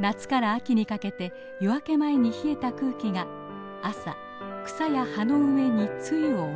夏から秋にかけて夜明け前に冷えた空気が朝草や葉の上に露を落とします。